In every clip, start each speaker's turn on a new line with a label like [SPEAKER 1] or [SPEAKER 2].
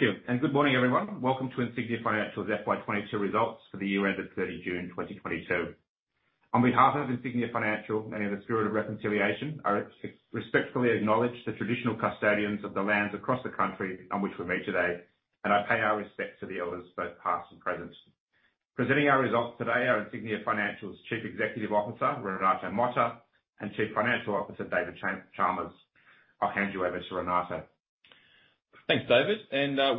[SPEAKER 1] Thank you, and good morning, everyone. Welcome to Insignia Financial's FY 22 results for the year ended 30 June 2022. On behalf of Insignia Financial and in the spirit of reconciliation, I respectfully acknowledge the traditional custodians of the lands across the country on which we meet today, and I pay our respects to the elders, both past and present. Presenting our results today are Insignia Financial's Chief Executive Officer, Renato Mota, and Chief Financial Officer, David Chalmers. I'll hand you over to Renato.
[SPEAKER 2] Thanks, David,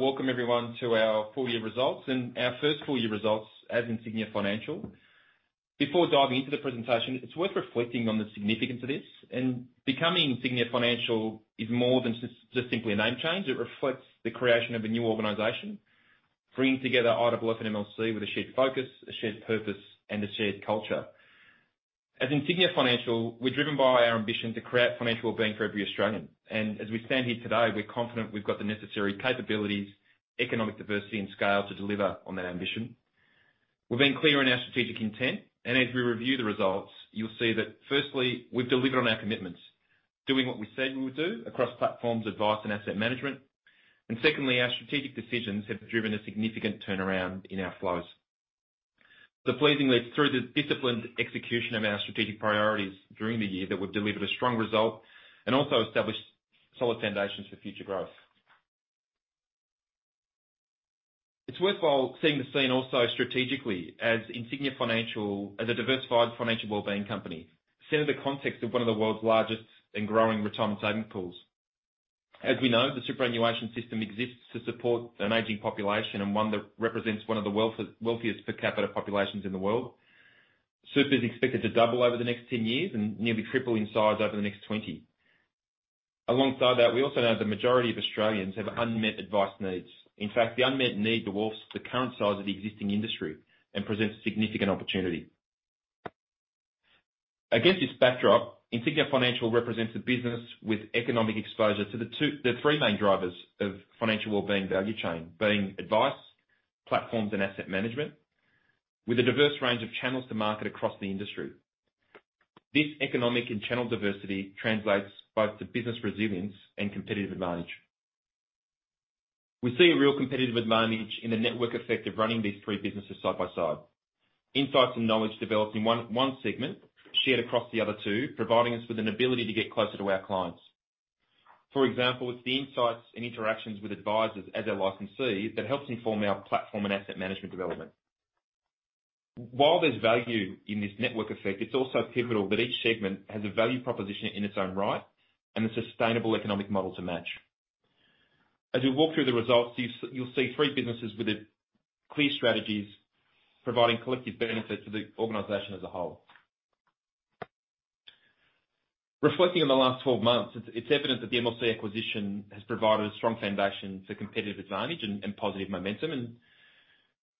[SPEAKER 2] welcome everyone to our full year results and our first full year results as Insignia Financial. Before diving into the presentation, it's worth reflecting on the significance of this. Becoming Insignia Financial is more than simply a name change, it reflects the creation of a new organization, bringing together IFL and MLC with a shared focus, a shared purpose, and a shared culture. As Insignia Financial, we're driven by our ambition to create financial wellbeing for every Australian. As we stand here today, we're confident we've got the necessary capabilities, economic diversity, and scale to deliver on that ambition. We're being clear in our strategic intent, and as we review the results, you'll see that firstly, we've delivered on our commitments. Doing what we said we would do across platforms, advice, and asset management. Secondly, our strategic decisions have driven a significant turnaround in our flows. Pleasingly, it's through the disciplined execution of our strategic priorities during the year that we've delivered a strong result, and also established solid foundations for future growth. It's worthwhile seeing the scene also strategically as Insignia Financial as a diversified financial wellbeing company, set in the context of one of the world's largest and growing retirement savings pools. As we know, the superannuation system exists to support an aging population and one that represents one of the wealthiest per capita populations in the world. Super is expected to double over the next 10 years and nearly triple in size over the next 20. Alongside that, we also know the majority of Australians have unmet advice needs. In fact, the unmet need dwarfs the current size of the existing industry and presents a significant opportunity. Against this backdrop, Insignia Financial represents a business with economic exposure to the three main drivers of financial wellbeing value chain. Being advice, platforms, and asset management, with a diverse range of channels to market across the industry. This economic and channel diversity translates both to business resilience and competitive advantage. We see a real competitive advantage in the network effect of running these three businesses side by side. Insights and knowledge developed in one segment shared across the other two, providing us with an ability to get closer to our clients. For example, it's the insights and interactions with advisors as our licensees that helps inform our platform and asset management development. While there's value in this network effect, it's also pivotal that each segment has a value proposition in its own right and a sustainable economic model to match. As we walk through the results, you'll see three businesses with clear strategies providing collective benefit to the organization as a whole. Reflecting on the last twelve months, it's evident that the MLC acquisition has provided a strong foundation for competitive advantage and positive momentum, and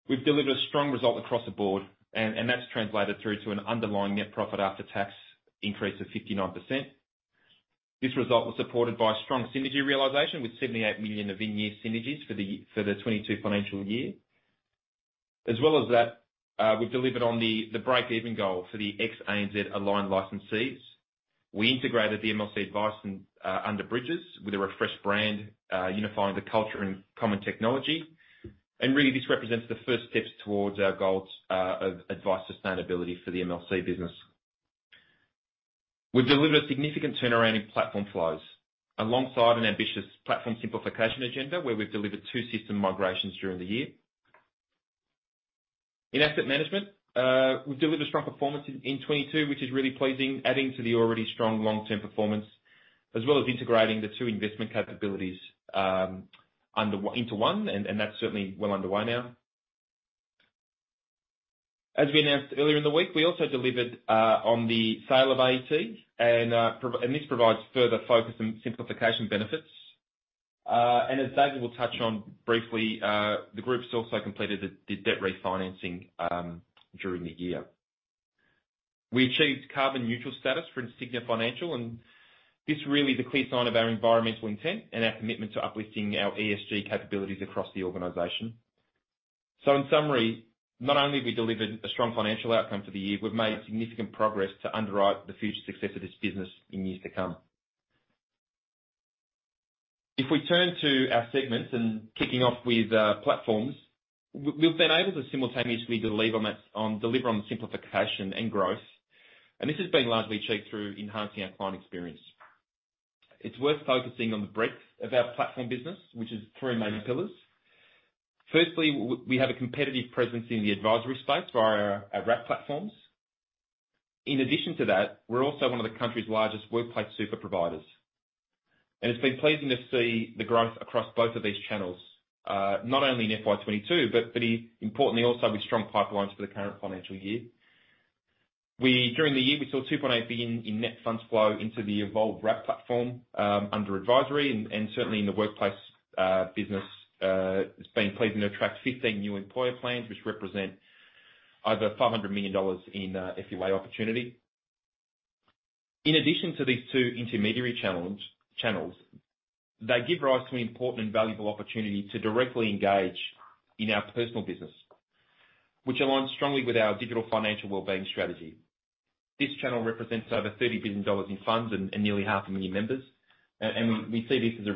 [SPEAKER 2] we've delivered a strong result across the board. That's translated through to an underlying net profit after tax increase of 59%. This result was supported by strong synergy realization with 78 million of in-year synergies for the 2022 financial year. As well as that, we've delivered on the breakeven goal for the ex-ANZ aligned licensees. We integrated the MLC advice under Bridges with a refreshed brand, unifying the culture and common technology. Really, this represents the first steps towards our goals of advice sustainability for the MLC business. We've delivered a significant turnaround in platform flows alongside an ambitious platform simplification agenda, where we've delivered two system migrations during the year. In asset management, we've delivered a strong performance in 2022, which is really pleasing, adding to the already strong long-term performance, as well as integrating the two investment capabilities into one, and that's certainly well underway now. As we announced earlier in the week, we also delivered on the sale of AET, and this provides further focus and simplification benefits. As David will touch on briefly, the group's also completed the debt refinancing during the year. We achieved carbon neutral status for Insignia Financial, and this really is a clear sign of our environmental intent and our commitment to uplifting our ESG capabilities across the organization. In summary, not only have we delivered a strong financial outcome for the year, we've made significant progress to underwrite the future success of this business in years to come. If we turn to our segments, kicking off with platforms, we've been able to simultaneously deliver on that, deliver on simplification and growth. This has been largely achieved through enhancing our client experience. It's worth focusing on the breadth of our platform business, which is three main pillars. Firstly, we have a competitive presence in the advisory space via our wrap platforms. In addition to that, we're also one of the country's largest workplace super providers. It's been pleasing to see the growth across both of these channels, not only in FY 2022, but pretty importantly also with strong pipelines for the current financial year. During the year, we saw 2.8 billion in net funds flow into the Evolve wrap platform, under advisory and certainly in the workplace business. It's been pleasing to attract 15 new employer plans, which represent over 500 million dollars in FUA opportunity. In addition to these two intermediary channels, they give rise to an important and valuable opportunity to directly engage in our personal business. Which aligns strongly with our digital financial well-being strategy. This channel represents over 30 billion dollars in funds and nearly half a million members. We see this as a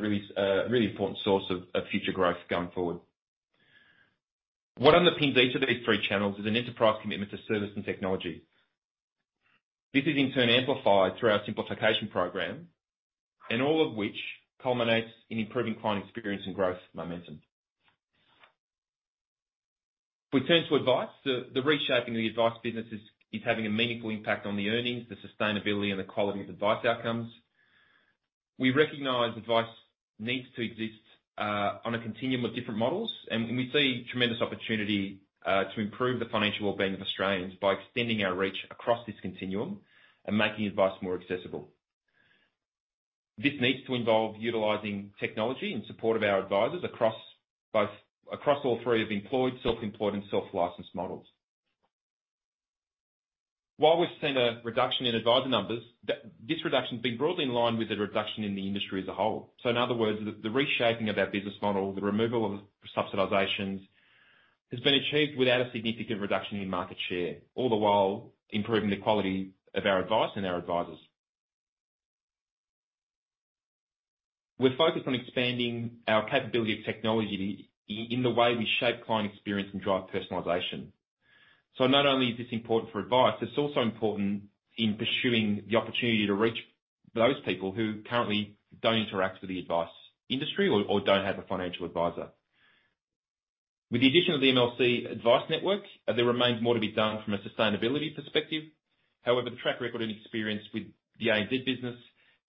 [SPEAKER 2] really important source of future growth going forward. What underpins each of these three channels is an enterprise commitment to service and technology. This is in turn amplified through our simplification program, and all of which culminates in improving client experience and growth momentum. We turn to Advice. The reshaping of the Advice business is having a meaningful impact on the earnings, the sustainability and the quality of advice outcomes. We recognize Advice needs to exist on a continuum of different models, and we see tremendous opportunity to improve the financial well-being of Australians by extending our reach across this continuum and making advice more accessible. This needs to involve utilizing technology in support of our advisors across all three of employed, self-employed and self-licensed models. While we've seen a reduction in advisor numbers, this reduction has been broadly in line with the reduction in the industry as a whole. In other words, the reshaping of our business model, the removal of subsidizations, has been achieved without a significant reduction in market share, all the while improving the quality of our advice and our advisors. We're focused on expanding our capability of technology in the way we shape client experience and drive personalization. Not only is this important for advice, it's also important in pursuing the opportunity to reach those people who currently don't interact with the advice industry or don't have a financial advisor. With the addition of the MLC advice network, there remains more to be done from a sustainability perspective. However, the track record and experience with the ANZ business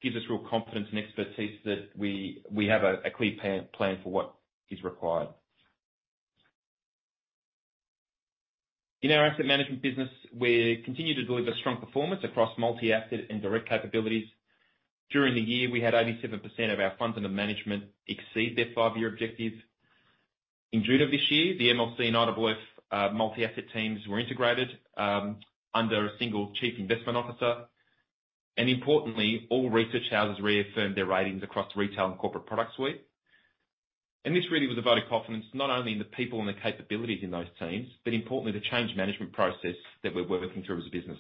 [SPEAKER 2] gives us real confidence and expertise that we have a clear plan for what is required. In our Asset Management business, we continue to deliver strong performance across multi-asset and direct capabilities. During the year, we had 87% of our funds under management exceed their five-year objectives. In June of this year, the MLC and IOOF multi-asset teams were integrated under a single chief investment officer. Importantly, all research houses reaffirmed their ratings across retail and corporate product suite. This really was a vote of confidence not only in the people and the capabilities in those teams, but importantly, the change management process that we're working through as a business.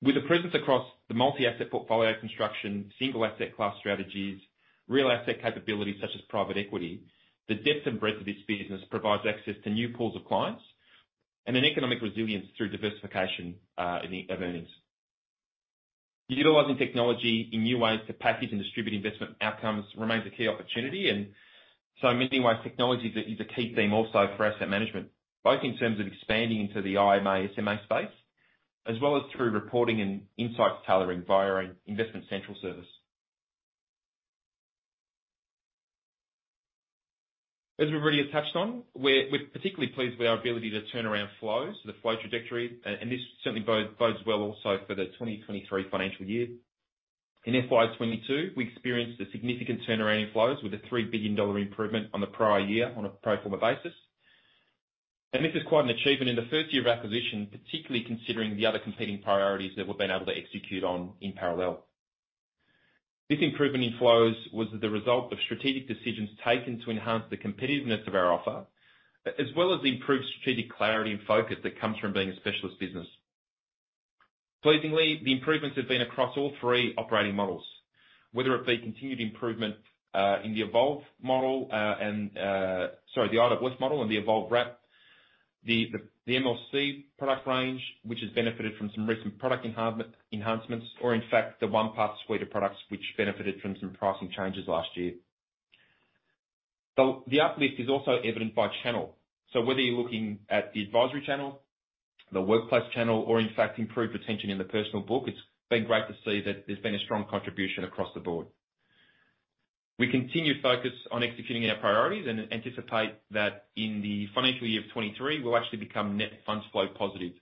[SPEAKER 2] With a presence across the multi-asset portfolio construction, single asset class strategies, real asset capabilities such as private equity, the depth and breadth of this business provides access to new pools of clients and an economic resilience through diversification of earnings. Utilizing technology in new ways to package and distribute investment outcomes remains a key opportunity. In many ways, technology is a key theme also for Asset Management, both in terms of expanding into the IMA, SMA space, as well as through reporting and insight tailoring via our Investment Central service. As we've already touched on, we're particularly pleased with our ability to turn around flows, the flow trajectory, and this certainly bodes well also for the 2023 financial year. In FY 2022, we experienced a significant turnaround in flows with an 3 billion dollar improvement on the prior year on a pro forma basis. This is quite an achievement in the first year of acquisition, particularly considering the other competing priorities that we've been able to execute on in parallel. This improvement in flows was the result of strategic decisions taken to enhance the competitiveness of our offer, as well as the improved strategic clarity and focus that comes from being a specialist business. Pleasingly, the improvements have been across all three operating models, whether it be continued improvement in the IWD model and the Evolve Wrap, the MLC product range, which has benefited from some recent product enhancements, or in fact, the OnePath suite of products which benefited from some pricing changes last year. The uplift is also evident by channel. Whether you're looking at the advisory channel, the workplace channel, or in fact improved retention in the personal book, it's been great to see that there's been a strong contribution across the board. We continue to focus on executing our priorities and anticipate that in the financial year of 2023, we'll actually become net funds flow positive,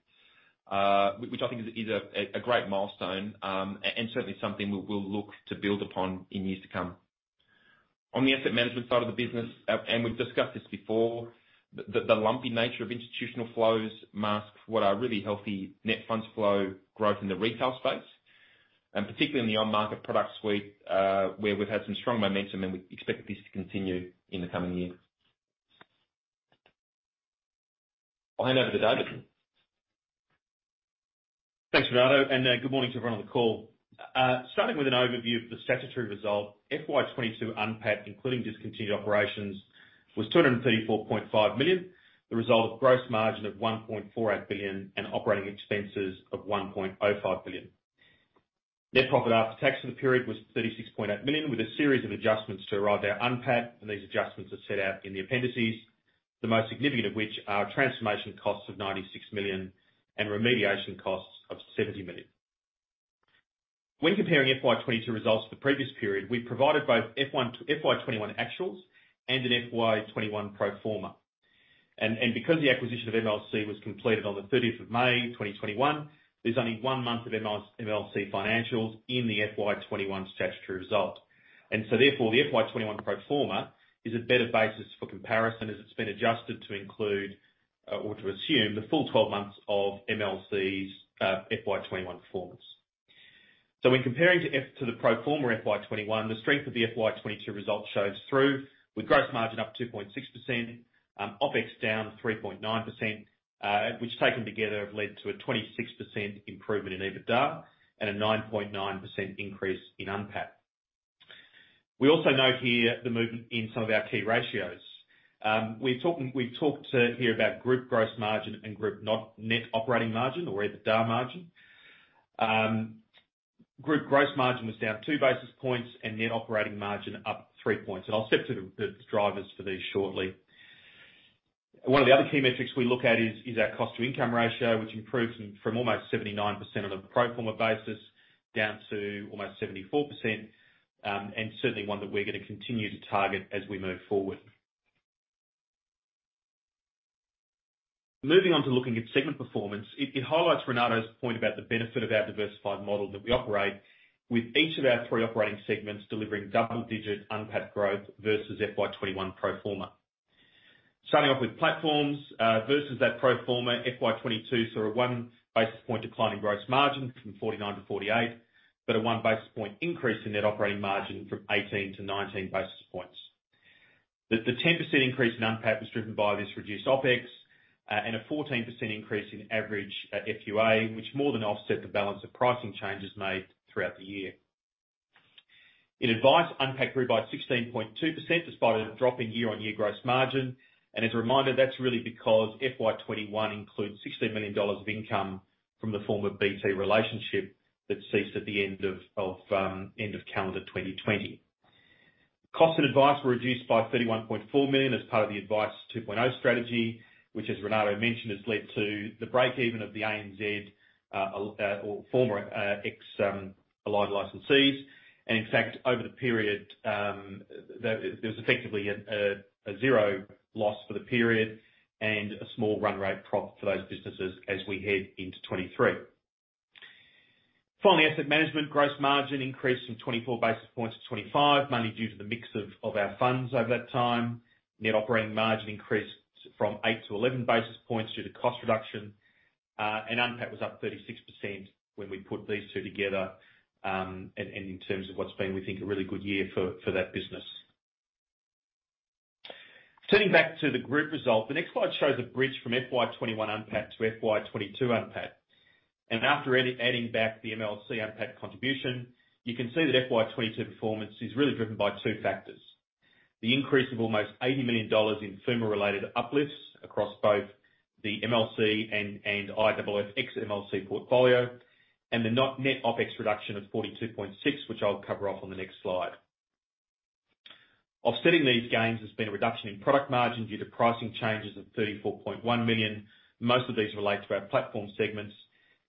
[SPEAKER 2] which I think is a great milestone, and certainly something we'll look to build upon in years to come. On the Asset Management side of the business, and we've discussed this before, the lumpy nature of institutional flows mask what are really healthy net funds flow growth in the retail space, and particularly in the on-market product suite, where we've had some strong momentum, and we expect this to continue in the coming years. I'll hand over to David now.
[SPEAKER 3] Thanks, Renato, and good morning to everyone on the call. Starting with an overview of the statutory result, FY 2022 UNPAT, including discontinued operations, was AUD 234.5 million, the result of gross margin of AUD 1.48 billion and operating expenses of AUD 1.05 billion. Net profit after tax for the period was AUD 36.8 million, with a series of adjustments to arrive at our UNPAT, and these adjustments are set out in the appendices, the most significant of which are transformation costs of 96 million and remediation costs of 70 million. When comparing FY 2022 results to the previous period, we provided both FY 2021 actuals and an FY 2021 pro forma. Because the acquisition of MLC was completed on the thirtieth of May 2021, there's only one month of MLC financials in the FY21 statutory result. Therefore, the FY21 pro forma is a better basis for comparison as it's been adjusted to include or to assume the full 12 months of MLC's FY21 performance. When comparing to the pro forma FY21, the strength of the FY22 result shows through with gross margin up 2.6%, OPEX down 3.9%, which taken together have led to a 26% improvement in EBITDA and a 9.9% increase in NPAT. We also note here the movement in some of our key ratios. We've talked here about group gross margin and group net operating margin or EBITDA margin. Group gross margin was down 2 basis points and net operating margin up 3 points. I'll stick to the drivers for these shortly. One of the other key metrics we look at is our cost to income ratio, which improved from almost 79% on a pro forma basis down to almost 74%, and certainly one that we're gonna continue to target as we move forward. Moving on to looking at segment performance, it highlights Renato's point about the benefit of our diversified model that we operate with each of our 3 operating segments delivering double-digit NPAT growth versus FY21 pro forma. Starting off with platforms, versus that pro forma FY22 saw a 1 basis point decline in gross margin from 49%-48%, but a 1 basis point increase in net operating margin from 18-19 basis points. The 10% increase in NPAT was driven by this reduced OPEX and a 14% increase in average FUA, which more than offset the balance of pricing changes made throughout the year. In advice, NPAT grew by 16.2% despite a drop in year-on-year gross margin. As a reminder, that's really because FY21 includes 16 million dollars of income from the former BT relationship that ceased at the end of calendar 2020. Costs in advice were reduced by 31.4 million as part of the Advice 2.0 strategy, which as Renato mentioned, has led to the breakeven of the ANZ or former ex-ANZ advised licensees. In fact, over the period, there was effectively a zero loss for the period and a small run rate profit for those businesses as we head into 2023. Finally, asset management gross margin increased from 24 basis points to 25, mainly due to the mix of our funds over that time. Net operating margin increased from 8 to 11 basis points due to cost reduction, and NPAT was up 36% when we put these two together, and in terms of what's been, we think, a really good year for that business. Turning back to the group result, the next slide shows a bridge from FY21 NPAT to FY22 NPAT. After adding back the MLC NPAT contribution, you can see that FY22 performance is really driven by two factors. The increase of almost 80 million dollars in FUMA related uplifts across both the MLC and IOOF ex-MLC portfolio, and the net OPEX reduction of 42.6, which I'll cover off on the next slide. Offsetting these gains has been a reduction in product margin due to pricing changes of 34.1 million. Most of these relate to our platform segments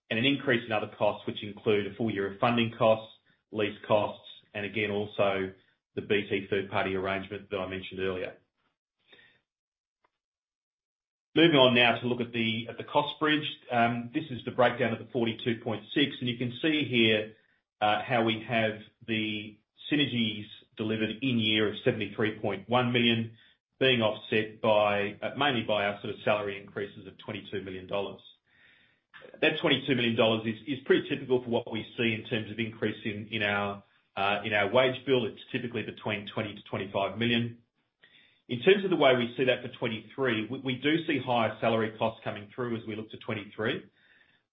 [SPEAKER 3] and an increase in other costs, which include a full year of funding costs, lease costs, and again, also the BT third-party arrangement that I mentioned earlier. Moving on now to look at the cost bridge. This is the breakdown of the 42.6, and you can see here how we have the synergies delivered in year of 73.1 million being offset by mainly by our sort of salary increases of 22 million dollars. That 22 million dollars is pretty typical for what we see in terms of increase in our wage bill. It's typically between 20 million to 25 million. In terms of the way we see that for 2023, we do see higher salary costs coming through as we look to 2023,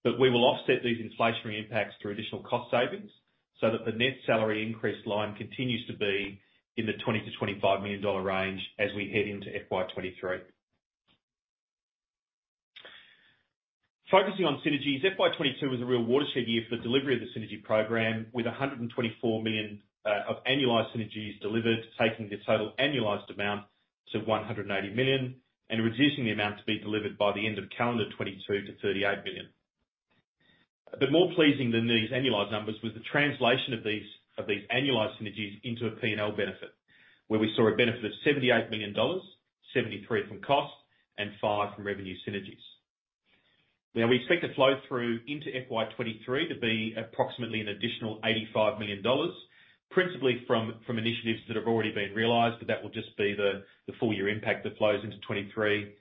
[SPEAKER 3] but we will offset these inflationary impacts through additional cost savings so that the net salary increase line continues to be in the 20 million-25 million dollar range as we head into FY23. Focusing on synergies, FY22 was a real watershed year for the delivery of the synergy program with 124 million of annualized synergies delivered, taking the total annualized amount to 180 million and reducing the amount to be delivered by the end of calendar 2022 to 38 million. More pleasing than these annualized numbers was the translation of these annualized synergies into a P&L benefit, where we saw a benefit of 78 million dollars, 73 from cost and 5 from revenue synergies. Now we expect the flow through into FY23 to be approximately an additional 85 million dollars, principally from initiatives that have already been realized. That will just be the full year impact that flows into 2023,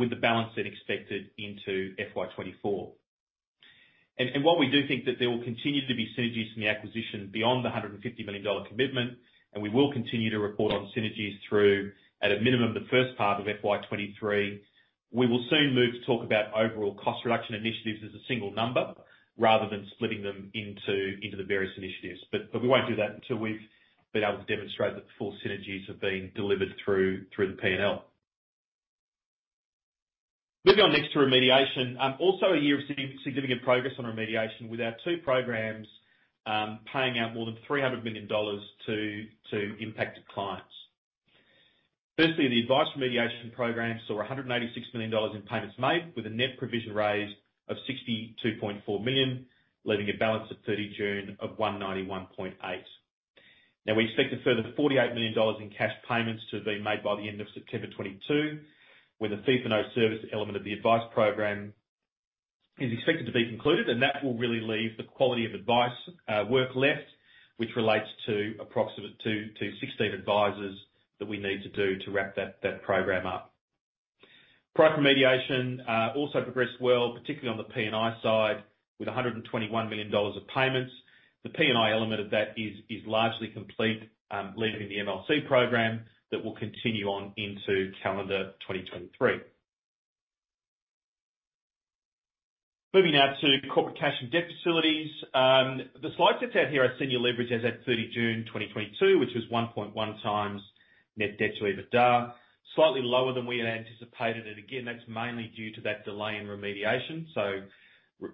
[SPEAKER 3] with the balance then expected into FY24. While we do think that there will continue to be synergies from the acquisition beyond the 150 million dollar commitment, we will continue to report on synergies through at a minimum the first part of FY23. We will soon move to talk about overall cost reduction initiatives as a single number rather than splitting them into the various initiatives. We won't do that until we've been able to demonstrate that the full synergies have been delivered through the P&L. Moving on next to remediation. Also a year of significant progress on remediation with our two programs, paying out more than 300 million dollars to impacted clients. Firstly, the advice remediation program saw 186 million dollars in payments made with a net provision raise of 62.4 million, leaving a balance at 30 June of 191.8 million. Now we expect a further 48 million dollars in cash payments to be made by the end of September 2022, when the fee for no service element of the advice program is expected to be concluded. That will really leave the quality of advice work left, which relates to approximately 16 advisors that we need to do to wrap that program up. Price remediation also progressed well, particularly on the P&I side, with 121 million dollars of payments. The P&I element of that is largely complete, leaving the MLC program that will continue on into calendar 2023. Moving now to corporate cash and debt facilities. The slide sets out here our senior leverage as at 30 June 2022, which was 1.1x net debt to EBITDA. Slightly lower than we had anticipated, and again, that's mainly due to that delay in remediation.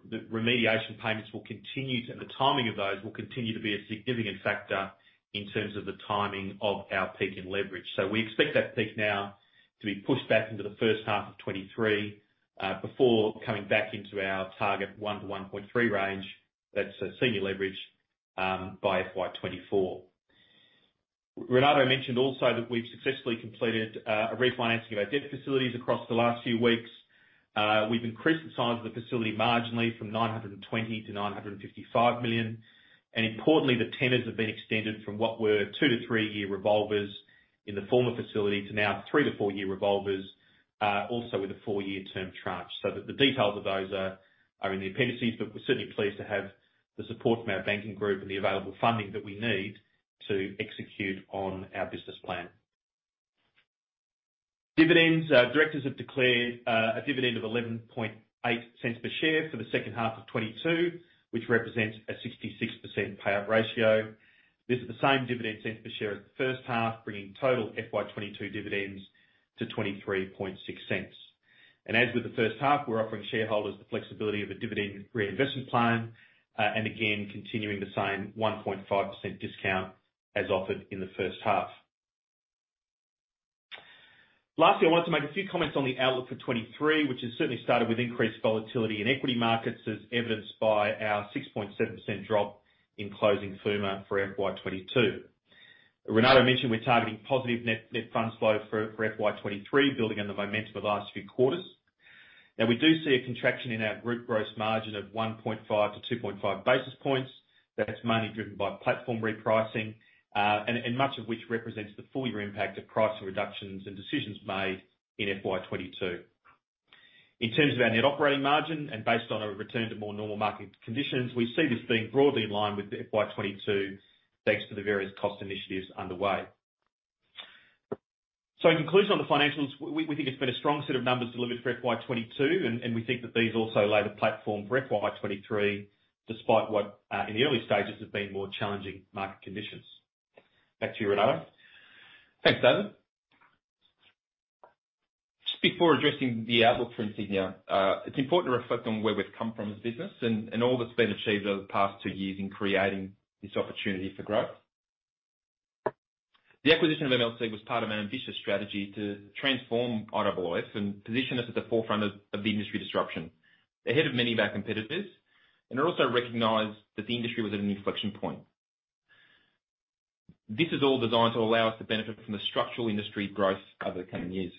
[SPEAKER 3] The remediation payments will continue to. The timing of those will continue to be a significant factor in terms of the timing of our peak in leverage. We expect that peak now to be pushed back into the first half of 2023, before coming back into our target 1-1.3 range. That's senior leverage by FY 2024. Renato mentioned also that we've successfully completed a refinancing of our debt facilities across the last few weeks. We've increased the size of the facility marginally from 920 million to 955 million. Importantly, the tenors have been extended from what were 2-3-year revolvers in the former facility to now 3-4-year revolvers, also with a four-year term tranche. The details of those are in the appendices, but we're certainly pleased to have the support from our banking group and the available funding that we need to execute on our business plan. Dividends. Directors have declared a dividend of 0.118 per share for the second half of 2022, which represents a 66% payout ratio. This is the same dividend cents per share as the first half, bringing total FY 2022 dividends to 0.236. As with the first half, we're offering shareholders the flexibility of a dividend reinvestment plan, and again, continuing the same 1.5% discount as offered in the first half. Lastly, I wanted to make a few comments on the outlook for 2023, which has certainly started with increased volatility in equity markets as evidenced by our 6.7% drop in closing FUMA for FY 2022. Renato mentioned we're targeting positive net funds flow for FY 2023, building on the momentum of the last few quarters. Now, we do see a contraction in our group gross margin of 1.5-2.5 basis points. That's mainly driven by platform repricing, and much of which represents the full year impact of price reductions and decisions made in FY 2022. In terms of our net operating margin, and based on a return to more normal market conditions, we see this being broadly in line with FY 2022, thanks to the various cost initiatives underway. In conclusion on the financials, we think it's been a strong set of numbers delivered for FY 2022 and we think that these also lay the platform for FY 2023, despite what in the early stages have been more challenging market conditions. Back to you, Renato.
[SPEAKER 2] Thanks, David. Just before addressing the outlook for Insignia, it's important to reflect on where we've come from as a business and all that's been achieved over the past two years in creating this opportunity for growth. The acquisition of MLC was part of an ambitious strategy to transform IOOF and position us at the forefront of the industry disruption, ahead of many of our competitors, and it also recognized that the industry was at an inflection point. This is all designed to allow us to benefit from the structural industry growth over the coming years.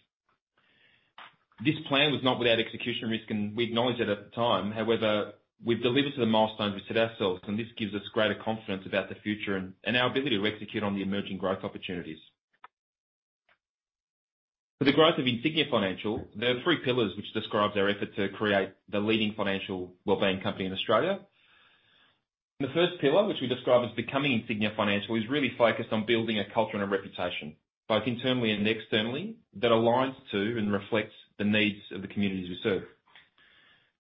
[SPEAKER 2] This plan was not without execution risk, and we acknowledged that at the time. However, we've delivered to the milestones we set ourselves, and this gives us greater confidence about the future and our ability to execute on the emerging growth opportunities. For the growth of Insignia Financial, there are three pillars which describes our effort to create the leading financial well-being company in Australia. The first pillar, which we describe as becoming Insignia Financial, is really focused on building a culture and a reputation, both internally and externally, that aligns to and reflects the needs of the communities we serve.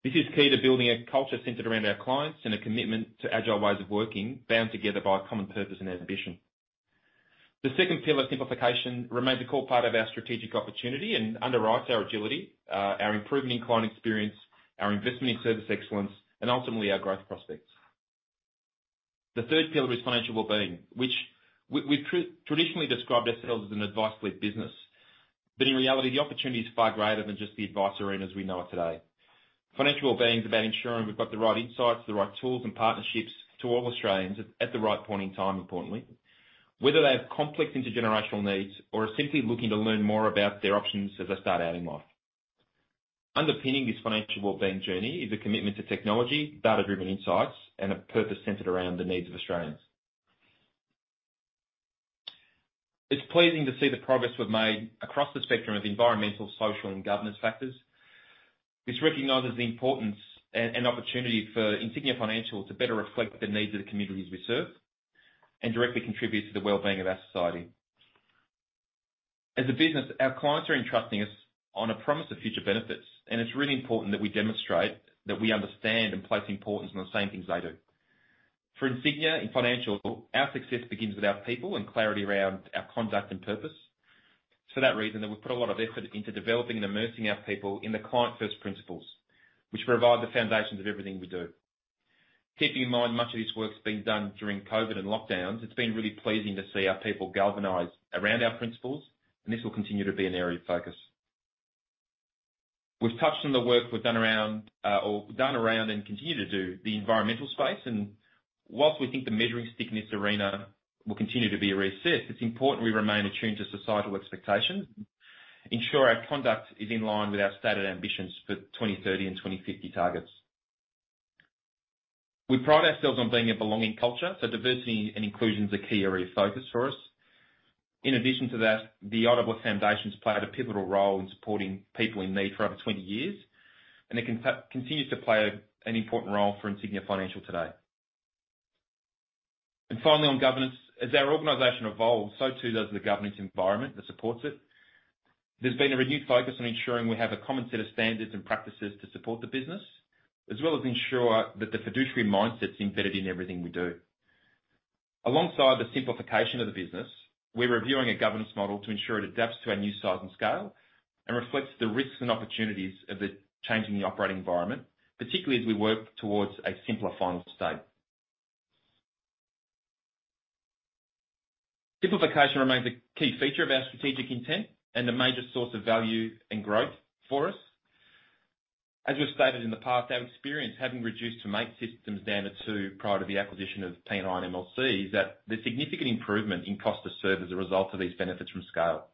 [SPEAKER 2] This is key to building a culture centered around our clients and a commitment to agile ways of working, bound together by a common purpose and ambition. The second pillar, simplification, remains a core part of our strategic opportunity and underwrites our agility, our improvement in client experience, our investment in service excellence, and ultimately, our growth prospects. The third pillar is financial well-being, which we've traditionally described ourselves as an advice-led business. In reality, the opportunity is far greater than just the advice arena as we know it today. Financial well-being is about ensuring we've got the right insights, the right tools and partnerships to all Australians at the right point in time, importantly. Whether they have complex intergenerational needs or are simply looking to learn more about their options as they start a new life. Underpinning this financial well-being journey is a commitment to technology, data-driven insights, and a purpose centered around the needs of Australians. It's pleasing to see the progress we've made across the spectrum of environmental, social, and governance factors. This recognizes the importance and opportunity for Insignia Financial to better reflect the needs of the communities we serve and directly contribute to the well-being of our society. As a business, our clients are entrusting us on a promise of future benefits, and it's really important that we demonstrate that we understand and place importance on the same things they do. For Insignia Financial, our success begins with our people and clarity around our conduct and purpose. It's for that reason that we've put a lot of effort into developing and immersing our people in the client-first principles, which provide the foundations of everything we do. Keeping in mind much of this work's been done during COVID and lockdowns, it's been really pleasing to see our people galvanize around our principles, and this will continue to be an area of focus. We've touched on the work we've done around and continue to do the environmental space. While we think the measuring stick in this arena will continue to be reassessed, it's important we remain attuned to societal expectations, ensure our conduct is in line with our stated ambitions for 2030 and 2050 targets. We pride ourselves on being a belonging culture, so diversity and inclusion is a key area of focus for us. In addition to that, the Insignia Community Foundation has played a pivotal role in supporting people in need for over 20 years, and it continues to play an important role for Insignia Financial today. Finally, on governance. As our organization evolves, so too does the governance environment that supports it. There's been a renewed focus on ensuring we have a common set of standards and practices to support the business, as well as ensure that the fiduciary mindset is embedded in everything we do. Alongside the simplification of the business, we're reviewing a governance model to ensure it adapts to our new size and scale and reflects the risks and opportunities of the change in the operating environment, particularly as we work towards a simpler final state. Simplification remains a key feature of our strategic intent and a major source of value and growth for us. As we've stated in the past, our experience, having reduced the main systems down to two prior to the acquisition of P&I and MLC, is that there's significant improvement in cost to serve as a result of these benefits from scale.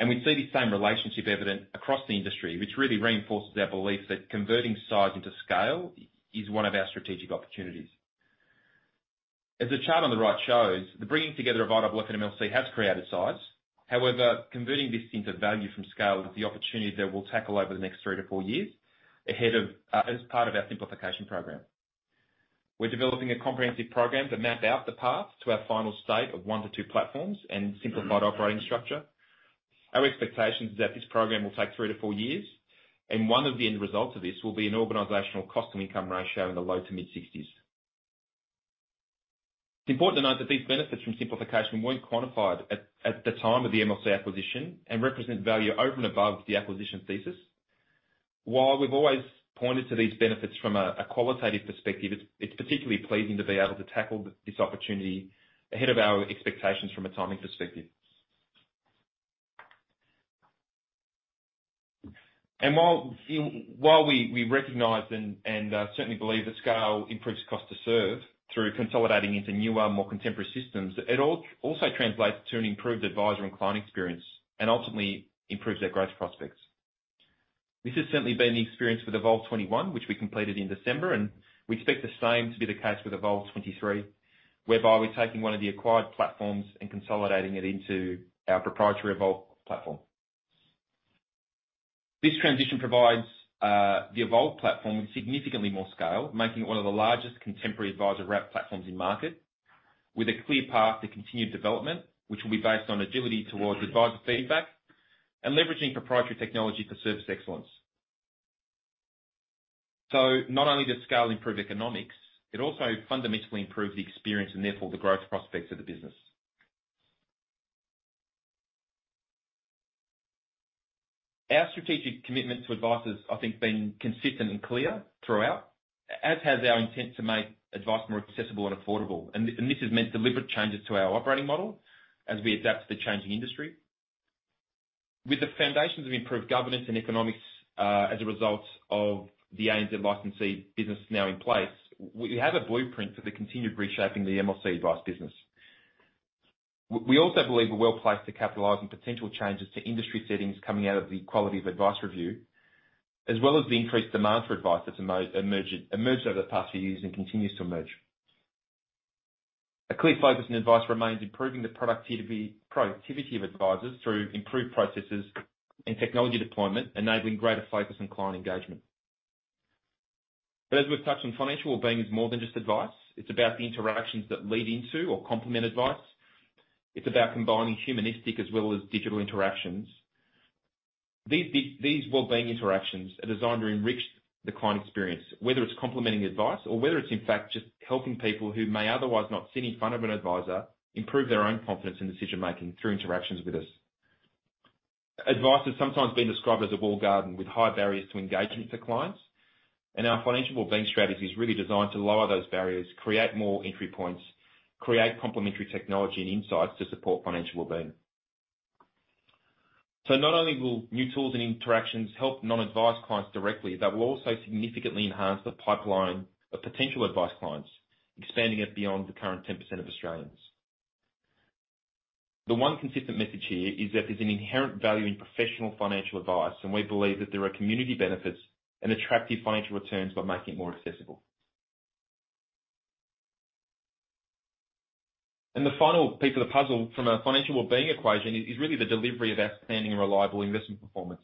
[SPEAKER 2] We see the same relationship evident across the industry, which really reinforces our belief that converting size into scale is one of our strategic opportunities. As the chart on the right shows, the bringing together of IOOF and MLC has created size. However, converting this into value from scale is the opportunity that we'll tackle over the next 3-4 years ahead of as part of our simplification program. We're developing a comprehensive program to map out the path to our final state of 1-2 platforms and simplified operating structure. Our expectation is that this program will take 3-4 years, and one of the end results of this will be an organizational cost and income ratio in the low-to-mid 60s. It's important to note that these benefits from simplification weren't quantified at the time of the MLC acquisition and represent value over and above the acquisition thesis. While we've always pointed to these benefits from a qualitative perspective, it's particularly pleasing to be able to tackle this opportunity ahead of our expectations from a timing perspective. While we recognize and certainly believe that scale improves cost to serve through consolidating into newer, more contemporary systems, it also translates to an improved advisor and client experience and ultimately improves our growth prospects. This has certainly been the experience with Evolve21, which we completed in December, and we expect the same to be the case with Evolve 23, whereby we're taking one of the acquired platforms and consolidating it into our proprietary Evolve platform. This transition provides the Evolve platform with significantly more scale, making it one of the largest contemporary advisor wrap platforms in market with a clear path to continued development, which will be based on agility towards advisor feedback and leveraging proprietary technology for service excellence. Not only does scale improve economics, it also fundamentally improves the experience and therefore the growth prospects of the business. Our strategic commitment to advisors, I think, been consistent and clear throughout, as has our intent to make advice more accessible and affordable. This has meant deliberate changes to our operating model as we adapt to the changing industry. With the foundations of improved governance and economics, as a result of the ANZ licensee business now in place, we have a blueprint for the continued reshaping of the MLC advice business. We also believe we're well placed to capitalize on potential changes to industry settings coming out of the quality of advice review, as well as the increased demand for advice that's emerged over the past few years and continues to emerge. A clear focus on advice remains improving the productivity of advisors through improved processes and technology deployment, enabling greater focus and client engagement. as we've touched on, financial wellbeing is more than just advice. It's about the interactions that lead into or complement advice. It's about combining humanistic as well as digital interactions. These wellbeing interactions are designed to enrich the client experience, whether it's complementing advice or whether it's in fact just helping people who may otherwise not sit in front of an advisor improve their own confidence in decision-making through interactions with us. Advice has sometimes been described as a walled garden with high barriers to engagement for clients. Our financial wellbeing strategy is really designed to lower those barriers, create more entry points, create complementary technology and insights to support financial wellbeing. Not only will new tools and interactions help non-advice clients directly, but will also significantly enhance the pipeline of potential advice clients, expanding it beyond the current 10% of Australians. The one consistent message here is that there's an inherent value in professional financial advice, and we believe that there are community benefits and attractive financial returns by making it more accessible. The final piece of the puzzle from a financial wellbeing equation is really the delivery of outstanding and reliable investment performance.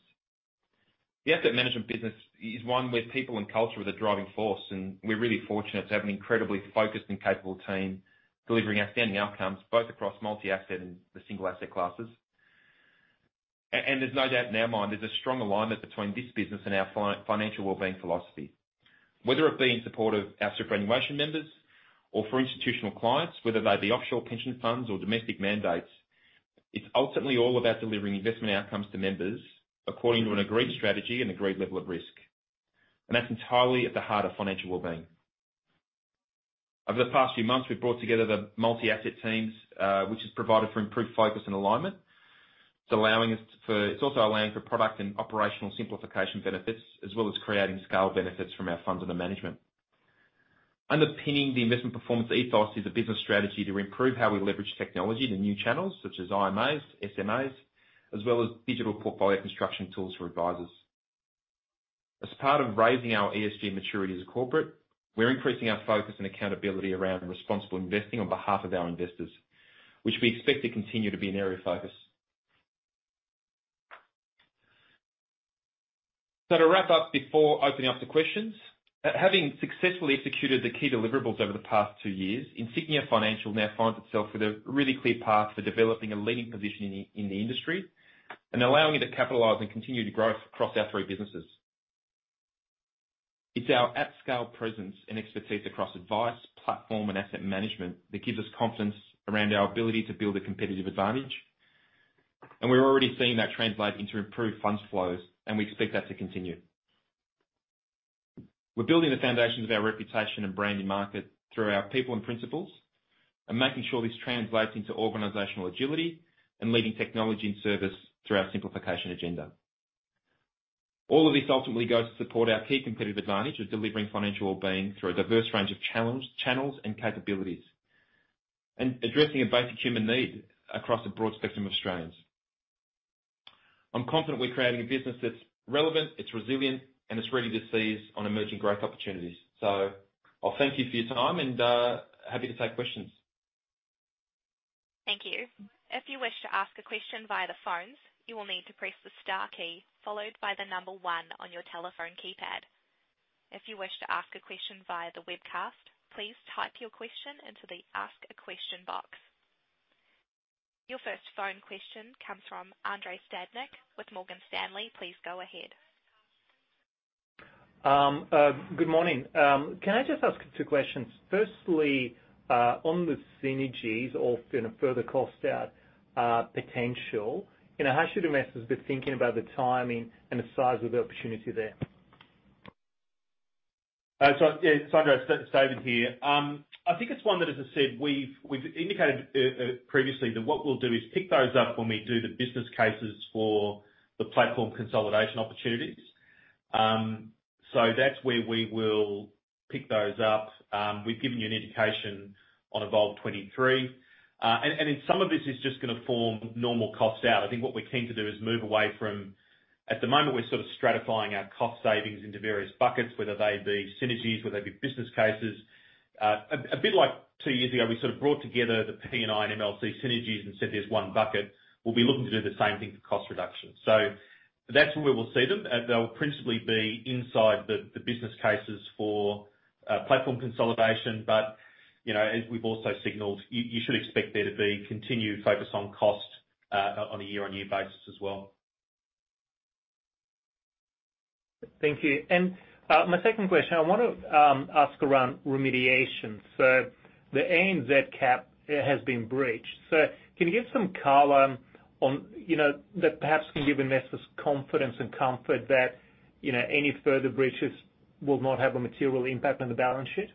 [SPEAKER 2] The asset management business is one where people and culture are the driving force, and we're really fortunate to have an incredibly focused and capable team delivering outstanding outcomes both across multi-asset and the single asset classes. And there's no doubt in our mind there's a strong alignment between this business and our financial wellbeing philosophy. Whether it be in support of our superannuation members or for institutional clients, whether they be offshore pension funds or domestic mandates, it's ultimately all about delivering investment outcomes to members according to an agreed strategy and agreed level of risk. That's entirely at the heart of financial wellbeing. Over the past few months, we've brought together the multi-asset teams, which has provided for improved focus and alignment. It's also allowing for product and operational simplification benefits as well as creating scale benefits from our funds under management. Underpinning the investment performance ethos is a business strategy to improve how we leverage technology to new channels such as IMAs, SMAs. As well as digital portfolio construction tools for advisors. As part of raising our ESG maturity as a corporate, we're increasing our focus and accountability around responsible investing on behalf of our investors, which we expect to continue to be an area of focus. To wrap up before opening up to questions. Having successfully executed the key deliverables over the past two years, Insignia Financial now finds itself with a really clear path for developing a leading position in the industry and allowing it to capitalize and continue to growth across our three businesses. It's our at-scale presence and expertise across advice, platform, and asset management that gives us confidence around our ability to build a competitive advantage. We're already seeing that translate into improved funds flows, and we expect that to continue. We're building the foundations of our reputation and brand in market through our people and principles, and making sure this translates into organizational agility and leading technology and service through our simplification agenda. All of this ultimately goes to support our key competitive advantage of delivering financial wellbeing through a diverse range of channels and capabilities. Addressing a basic human need across a broad spectrum of Australians. I'm confident we're creating a business that's relevant, it's resilient, and it's ready to seize on emerging growth opportunities. I'll thank you for your time and happy to take questions.
[SPEAKER 1] Thank you. If you wish to ask a question via the phones, you will need to press the star key followed by the number one on your telephone keypad. If you wish to ask a question via the webcast, please type your question into the ask a question box. Your first phone question comes from Andrei Stadnik with Morgan Stanley. Please go ahead.
[SPEAKER 4] Good morning. Can I just ask two questions? Firstly, on the synergies or in a further cost out, potential, you know, how should investors be thinking about the timing and the size of the opportunity there?
[SPEAKER 3] Yeah, Andrei, David here. I think it's one that, as I said, we've indicated previously that what we'll do is pick those up when we do the business cases for the platform consolidation opportunities. That's where we will pick those up. We've given you an indication on Evolve 23. Some of this is just gonna form normal costs out. I think what we're keen to do is move away from at the moment we're sort of stratifying our cost savings into various buckets, whether they be synergies, whether they be business cases. A bit like two years ago, we sort of brought together the P&I and MLC synergies and said there's one bucket. We'll be looking to do the same thing for cost reduction. That's where we'll see them. They'll principally be inside the business cases for platform consolidation. You know, as we've also signaled, you should expect there to be continued focus on cost on a year-on-year basis as well.
[SPEAKER 4] Thank you. My second question, I want to ask around remediation. The ANZ cap has been breached. Can you give some color on, you know, that perhaps can give investors confidence and comfort that, you know, any further breaches will not have a material impact on the balance sheet?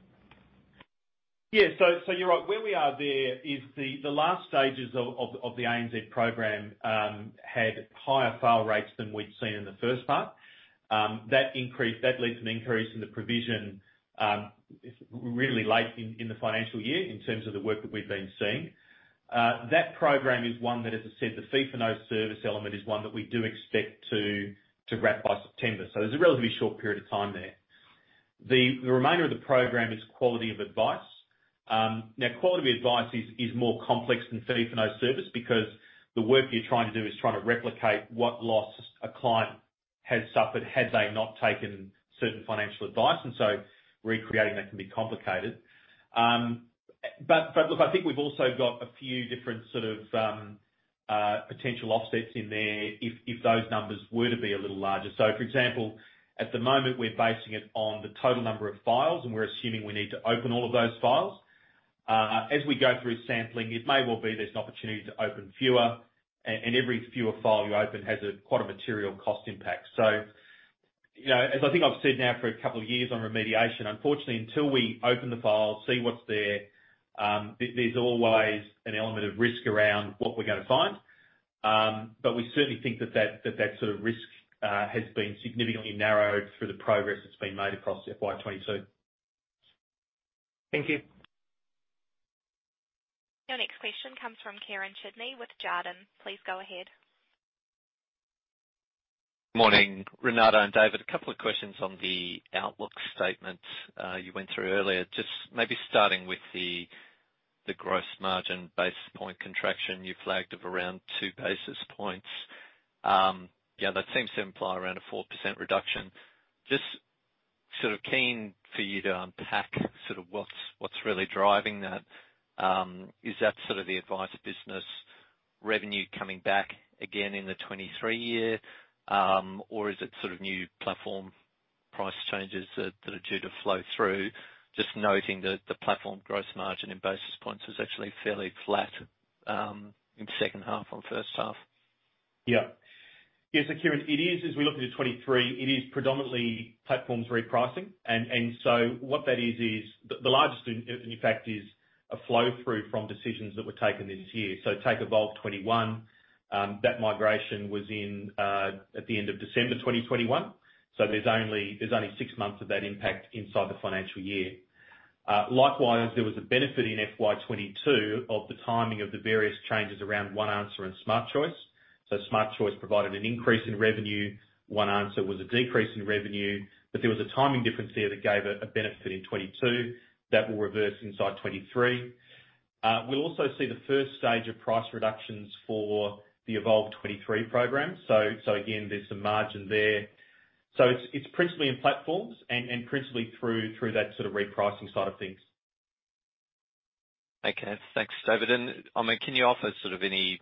[SPEAKER 3] You're right. Where we are there is the last stages of the ANZ program had higher fail rates than we'd seen in the first part. That led to an increase in the provision really late in the financial year in terms of the work that we've been seeing. That program is one that, as I said, the fee for no service element is one that we do expect to wrap by September. There's a relatively short period of time there. The remainder of the program is quality of advice. Now quality of advice is more complex than fee for no service because the work you're trying to do is trying to replicate what loss a client has suffered had they not taken certain financial advice. Recreating that can be complicated. Look, I think we've also got a few different sort of potential offsets in there if those numbers were to be a little larger. For example, at the moment, we're basing it on the total number of files, and we're assuming we need to open all of those files. As we go through sampling, it may well be there's an opportunity to open fewer. And every fewer file you open has quite a material cost impact. You know, as I think I've said now for a couple of years on remediation, unfortunately, until we open the files, see what's there's always an element of risk around what we're gonna find. We certainly think that that sort of risk has been significantly narrowed through the progress that's been made across FY 2022.
[SPEAKER 4] Thank you.
[SPEAKER 1] Your next question comes from Kieren Chidgey with Jarden. Please go ahead.
[SPEAKER 5] Morning, Renato and David. A couple of questions on the outlook statement you went through earlier. Just maybe starting with the gross margin basis point contraction you flagged of around two basis points. Yeah, that seems to imply around a 4% reduction. Just sort of keen for you to unpack sort of what's really driving that. Is that sort of the advice business revenue coming back again in the 2023 year? Or is it sort of new platform price changes that are due to flow through? Just noting that the platform gross margin in basis points was actually fairly flat in second half on first half.
[SPEAKER 3] Yeah. Kieren, it is as we look into 2023, it is predominantly platforms repricing. What that is is the largest, in fact, is a flow through from decisions that were taken this year. Take Evolve 21, that migration was in at the end of December 2021. There's only 6 months of that impact inside the financial year. Likewise, there was a benefit in FY 2022 of the timing of the various changes around OneAnswer and Smart Choice. Smart Choice provided an increase in revenue. OneAnswer was a decrease in revenue. There was a timing difference there that gave a benefit in 2022. That will reverse inside 2023. We'll also see the first stage of price reductions for the Evolve 23 program. Again, there's some margin there. It's principally in platforms and principally through that sort of repricing side of things.
[SPEAKER 5] Okay. Thanks, David. I mean, can you offer sort of any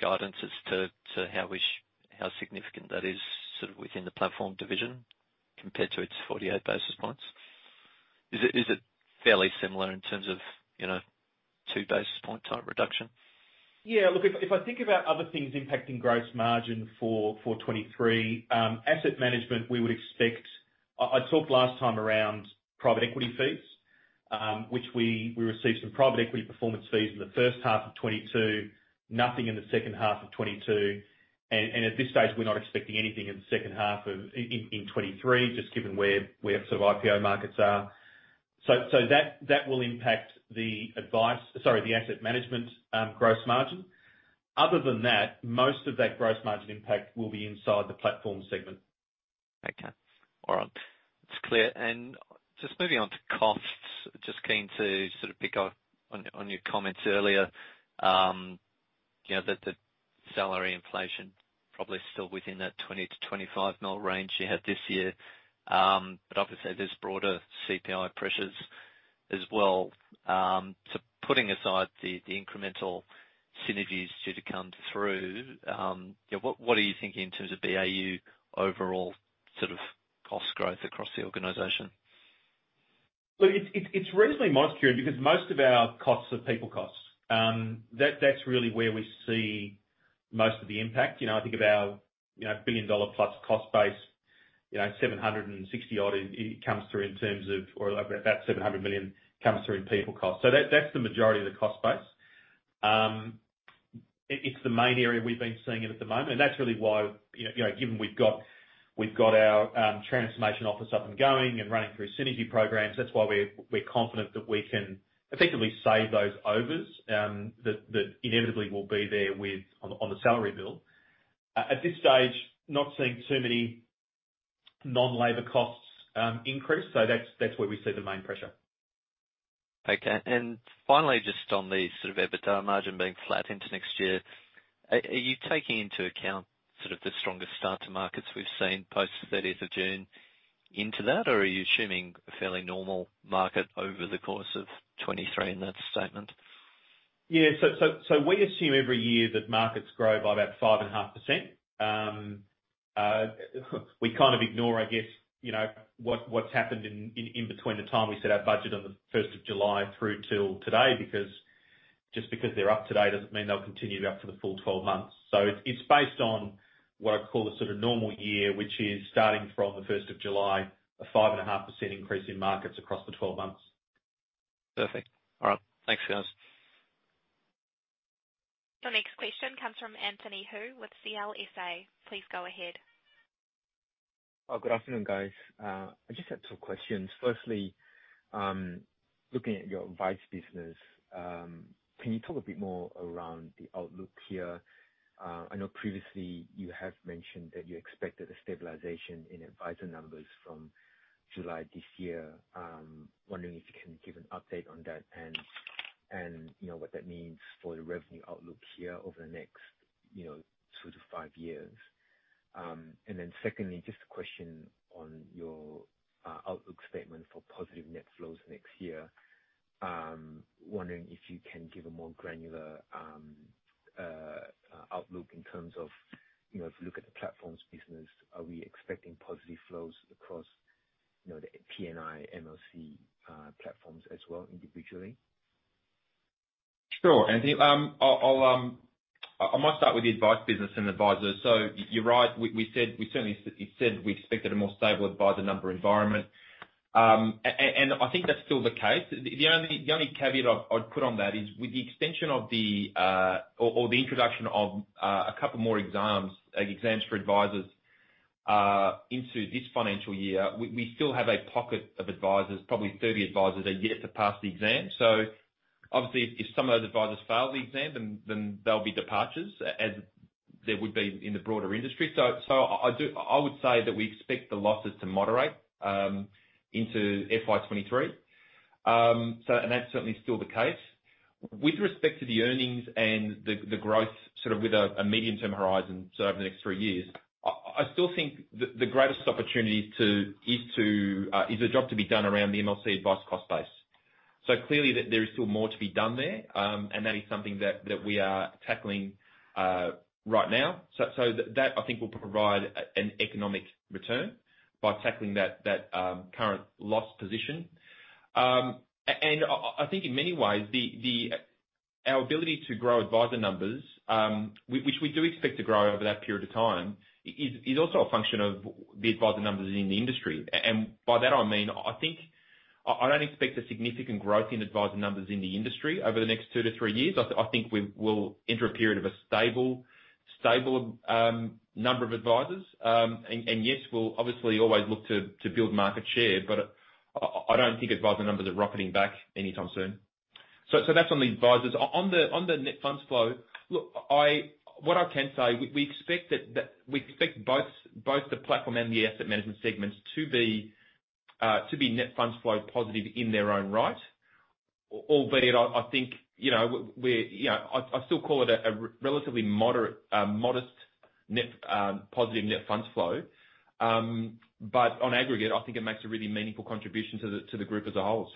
[SPEAKER 5] guidance as to how significant that is sort of within the platform division compared to its 48 basis points? Is it fairly similar in terms of, you know, 2 basis point type reduction?
[SPEAKER 3] Yeah. Look, if I think about other things impacting gross margin for 2023, asset management, we would expect. I talked last time around private equity fees, which we received some private equity performance fees in the first half of 2022, nothing in the second half of 2022. At this stage, we're not expecting anything in the second half of 2023, just given where sort of IPO markets are. That will impact the advice. Sorry, the asset management gross margin. Other than that, most of that gross margin impact will be inside the platform segment.
[SPEAKER 5] Okay. All right. It's clear. Just moving on to costs, just keen to sort of pick up on your comments earlier, you know, that the salary inflation probably still within that 20 million-25 million range you had this year. Obviously there's broader CPI pressures as well. Putting aside the incremental synergies due to come through, you know, what are you thinking in terms of BAU overall sort of cost growth across the organization?
[SPEAKER 3] Look, it's reasonably modest, Kurt, because most of our costs are people costs. That's really where we see most of the impact. You know, I think of our billion-dollar-plus cost base, you know, about 700 million comes through in people cost. So that's the majority of the cost base. It's the main area we've been seeing it at the moment, and that's really why, you know, given we've got our transformation office up and going and running through synergy programs, that's why we're confident that we can effectively save those overs that inevitably will be there on the salary bill. At this stage, not seeing too many non-labor costs increase. That's where we see the main pressure.
[SPEAKER 5] Okay. Finally, just on the sort of EBITDA margin being flat into next year, are you taking into account sort of the strongest start to markets we've seen post thirtieth of June into that? Or are you assuming a fairly normal market over the course of 2023 in that statement?
[SPEAKER 3] We assume every year that markets grow by about 5.5%. We kind of ignore, I guess, you know, what's happened in between the time we set our budget on the first of July through till today, because just because they're up today doesn't mean they'll continue to be up for the full 12 months. It's based on what I call a sort of normal year, which is starting from the first of July, a 5.5% increase in markets across the 12 months.
[SPEAKER 5] Perfect. All right. Thanks, guys.
[SPEAKER 1] Your next question comes from Anthony Hu with CLSA. Please go ahead.
[SPEAKER 6] Oh, good afternoon, guys. I just had 2 questions. Firstly, looking at your advice business, can you talk a bit more around the outlook here? I know previously you have mentioned that you expected a stabilization in advisor numbers from July this year. I'm wondering if you can give an update on that and, you know, what that means for the revenue outlook here over the next, you know, 2-5 years. And then secondly, just a question on your outlook statement for positive net flows next year. Wondering if you can give a more granular outlook in terms of, you know, if you look at the platforms business, are we expecting positive flows across, you know, the P&I, MLC platforms as well individually?
[SPEAKER 2] Sure, Anthony. I might start with the advice business and advisors. You're right, we said we certainly expected a more stable advisor number environment. I think that's still the case. The only caveat I'd put on that is with the extension or the introduction of a couple more exams for advisors into this financial year, we still have a pocket of advisors, probably 30 advisors, that are yet to pass the exam. Obviously, if some of those advisors fail the exam, then there'll be departures as there would be in the broader industry. I would say that we expect the losses to moderate into FY 2023. That's certainly still the case. With respect to the earnings and the growth sort of with a medium-term horizon over the next three years, I still think the greatest opportunity is a job to be done around the MLC advice cost base. Clearly there is still more to be done there, and that is something that we are tackling right now. That I think will provide an economic return by tackling that current loss position. I think in many ways, our ability to grow advisor numbers, which we do expect to grow over that period of time, is also a function of the advisor numbers in the industry. By that I mean, I think I don't expect a significant growth in advisor numbers in the industry over the next 2-3 years. I think we will enter a period of a stable number of advisors. Yes, we'll obviously always look to build market share, but I don't think advisor numbers are rocketing back anytime soon. That's on the advisors. On the net funds flow. Look, what I can say, we expect both the platform and the asset management segments to be net funds flow positive in their own right. Albeit, I think, you know, we're, you know, I still call it a relatively moderate, modest net positive net funds flow. On aggregate, I think it makes a really meaningful contribution to the group as a whole.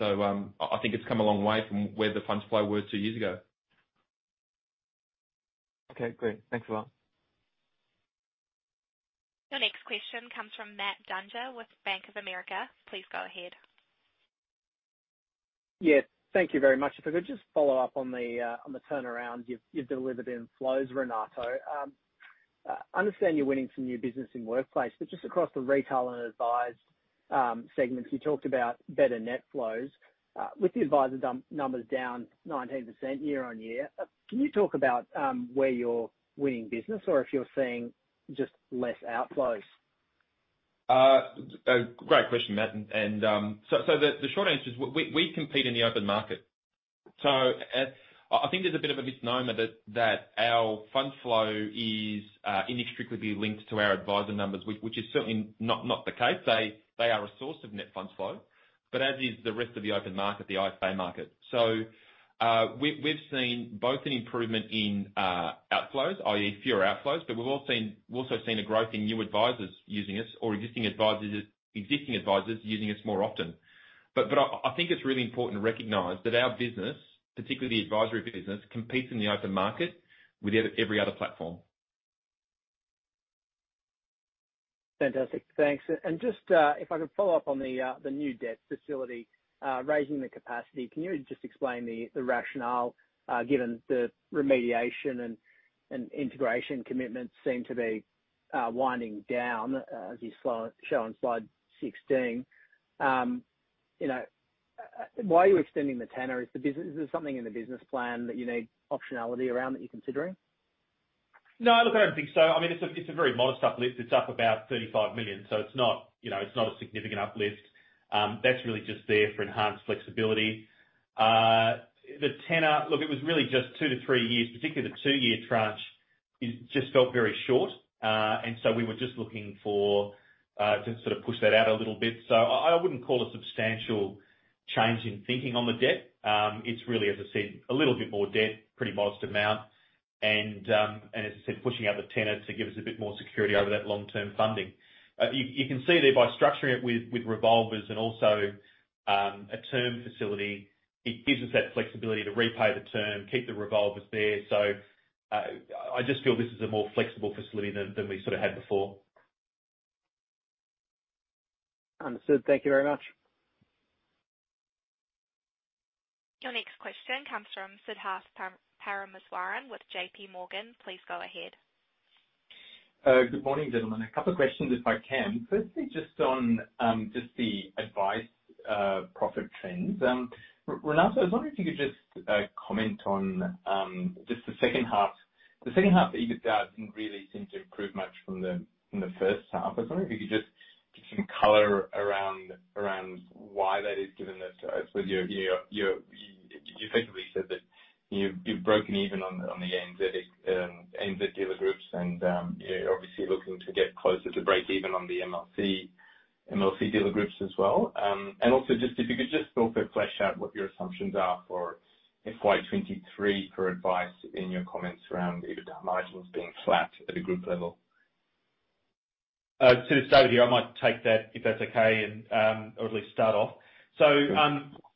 [SPEAKER 2] I think it's come a long way from where the funds flow was two years ago.
[SPEAKER 6] Okay, great. Thanks a lot.
[SPEAKER 1] Your next question comes from Matt Dunger with Bank of America. Please go ahead.
[SPEAKER 7] Yes. Thank you very much. If I could just follow up on the turnaround you've delivered in flows, Renato. I understand you're winning some new business in workplace, but just across the retail and advice segments, you talked about better net flows. With the advisor numbers down 19% year-on-year, can you talk about where you're winning business or if you're seeing just less outflows?
[SPEAKER 2] A great question, Matt. The short answer is we compete in the open market. I think there's a bit of a misnomer that our fund flow is inextricably linked to our advisor numbers, which is certainly not the case. They are a source of net funds flow, but as is the rest of the open market, the IFA market. We've seen both an improvement in outflows, i.e., fewer outflows, but we've also seen a growth in new advisors using us or existing advisors using us more often. I think it's really important to recognize that our business, particularly the advisory business, competes in the open market with every other platform.
[SPEAKER 7] Fantastic. Thanks. Just if I could follow up on the new debt facility raising the capacity. Can you just explain the rationale given the remediation and integration commitments seem to be winding down as you show on slide 16. You know, why are you extending the tenor? Is there something in the business plan that you need optionality around that you're considering?
[SPEAKER 2] No. Look, I don't think so. I mean, it's a very modest uplift. It's up about 35 million. So it's not, you know, it's not a significant uplift. That's really just there for enhanced flexibility. The tenor. Look, it was really just two to three years, particularly the two-year tranche. It just felt very short. We were just looking to sort of push that out a little bit. So I wouldn't call it a substantial change in thinking on the debt. It's really, as I said, a little bit more debt, pretty modest amount. As I said, pushing out the tenor to give us a bit more security over that long-term funding. You can see there by structuring it with revolvers and also a term facility, it gives us that flexibility to repay the term, keep the revolvers there. I just feel this is a more flexible facility than we sort of had before.
[SPEAKER 7] Understood. Thank you very much.
[SPEAKER 1] Your next question comes from Siddharth Parameswaran with J.P. Morgan. Please go ahead.
[SPEAKER 8] Good morning, gentlemen. A couple of questions, if I can. Firstly, just on just the advice profit trends. Renato, I was wondering if you could just comment on just the second half. The second half, the EBITA didn't really seem to improve much from the first half. I was wondering if you could just give some color around why that is, given that I suppose you effectively said that you've broken even on the ANZ dealer groups, and you're obviously looking to get closer to breakeven on the MLC dealer groups as well. And also just if you could just also flesh out what your assumptions are for FY 2023 for advice in your comments around EBITA margins being flat at a group level.
[SPEAKER 2] Sid, over to you. I might take that if that's okay, and, or at least start off.
[SPEAKER 8] Sure.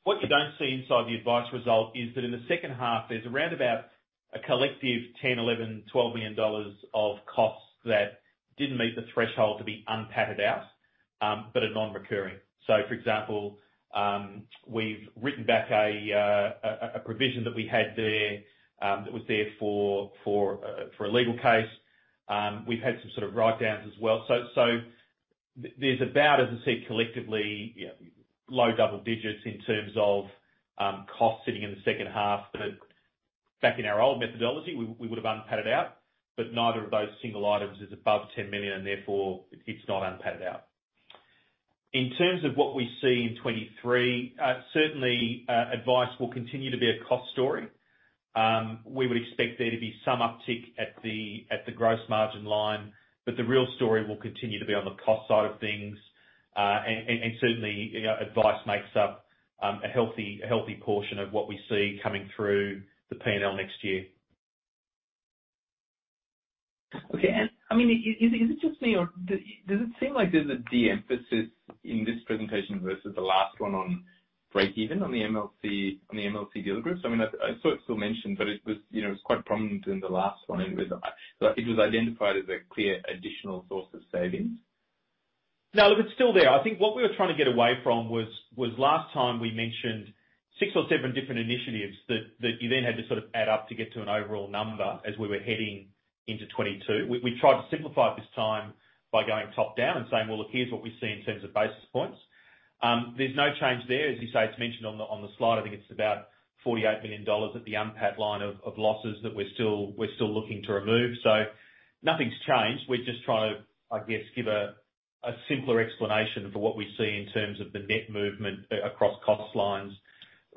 [SPEAKER 2] What you don't see inside the advice result is that in the second half, there's around about a collective 10-12 million dollars of costs that didn't meet the threshold to be UNPAT-ed out, but are non-recurring. For example, we've written back a provision that we had there, that was there for a legal case. We've had some sort of write-downs as well. There's about, as I said, collectively low double digits in terms of costs sitting in the second half that back in our old methodology, we would have UNPAT-ed out, but neither of those single items is above 10 million and therefore it's not UNPAT-ed out. In terms of what we see in 2023, certainly, advice will continue to be a cost story. We would expect there to be some uptick at the gross margin line, but the real story will continue to be on the cost side of things. Certainly, you know, advice makes up a healthy portion of what we see coming through the P&L next year.
[SPEAKER 8] Okay. I mean, is it just me or does it seem like there's a de-emphasis in this presentation versus the last one on breakeven on the MLC, on the MLC dealer groups? I mean, I saw it still mentioned, but it was, you know, it was quite prominent in the last one. It was identified as a clear additional source of savings.
[SPEAKER 2] No, look, it's still there. I think what we were trying to get away from was last time we mentioned six or seven different initiatives that you then had to sort of add up to get to an overall number as we were heading into 2022. We tried to simplify it this time by going top-down and saying, "Well, look, here's what we see in terms of basis points." There's no change there. As you say, it's mentioned on the slide. I think it's about 48 million dollars at the UNPAT line of losses that we're still looking to remove. Nothing's changed. We're just trying to, I guess, give a simpler explanation for what we see in terms of the net movement across cost lines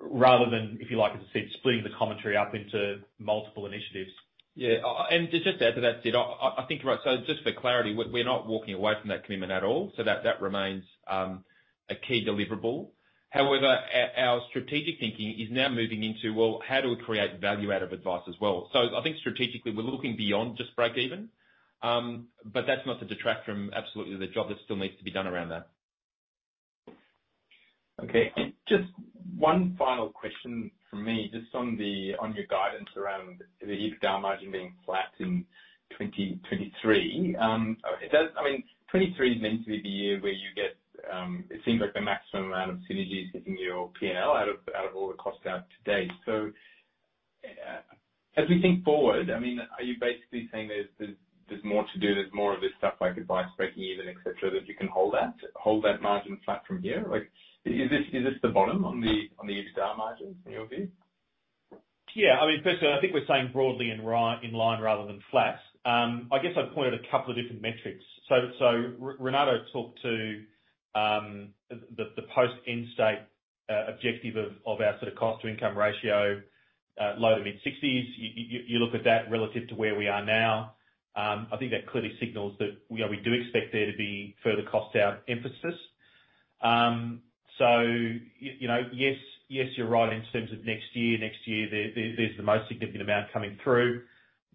[SPEAKER 2] rather than, if you like, as I said, splitting the commentary up into multiple initiatives.
[SPEAKER 3] Yeah. To just add to that, Sid, I think you're right. Just for clarity, we're not walking away from that commitment at all, so that remains a key deliverable. However, our strategic thinking is now moving into well, how do we create value out of advice as well. I think strategically we're looking beyond just breakeven. That's not to detract from absolutely the job that still needs to be done around that.
[SPEAKER 8] Okay. Just one final question from me, just on your guidance around the EBITDA margin being flat in 2023. It does. I mean, 2023 is meant to be the year where you get it seems like the maximum amount of synergies hitting your P&L out of all the costs out to date. As we think forward, I mean, are you basically saying there's more to do, there's more of this stuff like advice breaking even, et cetera, that you can hold that margin flat from here? Like, is this the bottom on the EBITDA margin in your view?
[SPEAKER 3] Yeah. I mean, first of all, I think we're saying broadly in line rather than flat. I guess I'd point to a couple of different metrics. So Renato talked to the post-end state objective of our sort of cost to income ratio, low- to mid-60s%. You look at that relative to where we are now, I think that clearly signals that, you know, we do expect there to be further cost out emphasis. So you know, yes, you're right in terms of next year. Next year there's the most significant amount coming through.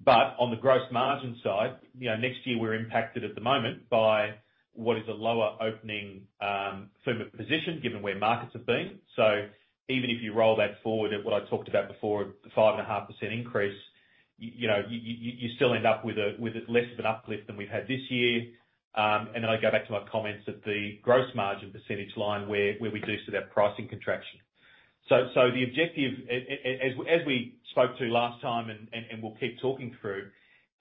[SPEAKER 3] On the gross margin side, you know, next year we're impacted at the moment by what is a lower opening FUM net position, given where markets have been. Even if you roll that forward at what I talked about before, the 5.5% increase, you know, you still end up with a less of an uplift than we've had this year. Then I go back to my comments that the gross margin percentage line where we do see that pricing contraction. The objective as we spoke to last time and we'll keep talking through,